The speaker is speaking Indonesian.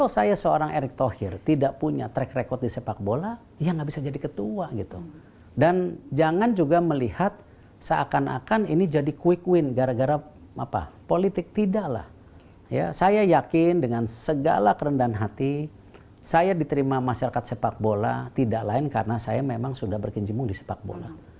saya terima masyarakat sepak bola tidak lain karena saya memang sudah berkinjimu di sepak bola